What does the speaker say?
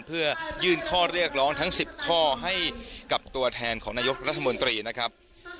เพื่อยื่นข้อเรียกร้องทั้ง๑๐ข้อให้กับตัวแทนของนายกรัฐมนตรีนะครับ